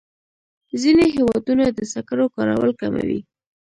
ځینې هېوادونه د سکرو کارول کموي.